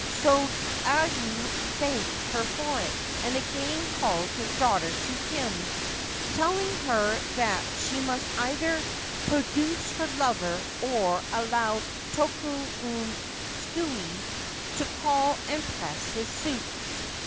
Sodayu thanked her for it, and again called his daughter to him, telling her that she must either^pFoduce her lover or allow Tokunosuke to call and press his suit.